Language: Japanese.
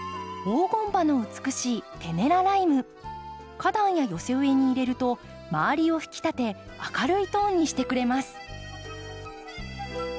花壇や寄せ植えに入れると周りを引き立て明るいトーンにしてくれます。